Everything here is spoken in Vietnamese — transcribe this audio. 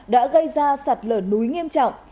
đã gây ra sạt lở núi nghiêm trọng